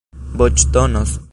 voĉdonos